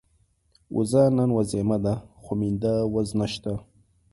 وزه نن وزيمه ده، خو مينده وز نشته